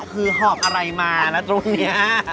คือหอกอะไรมาละตรงเนี่ย